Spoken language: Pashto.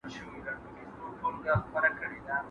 خداے خبر تا ترې پۀ کوڅه کښې ولې ډ ډه اوکړه